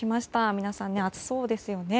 皆さん、暑そうですよね。